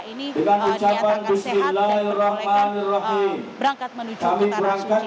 ini dinyatakan sehat dan diperbolehkan berangkat menuju ke tanah suci